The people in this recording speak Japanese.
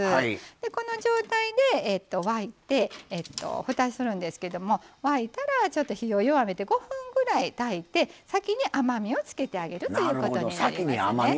この状態で沸いてふたするんですけど沸いたら、ちょっと火を弱めて５分ぐらい炊いて先に甘みをつけてあげるということなんですね。